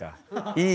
いい。